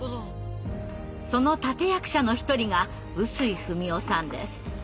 その立て役者の一人が臼井二美男さんです。